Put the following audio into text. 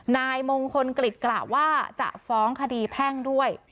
นายมงคลกฤษกล่าวว่าจะฟ้องคดีแพ่งด้วย